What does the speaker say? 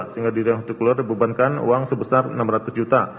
sehingga di bap dibebankan uang sebesar enam ratus juta